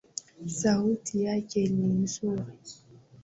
Sauti yake ni nzuri.